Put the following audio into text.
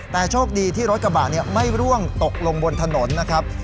แต่โชคดีที่รถกระบะไม่ร่วงตกลงบนถนนนะครับ